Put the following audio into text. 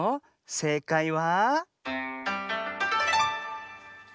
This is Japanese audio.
せいかいは。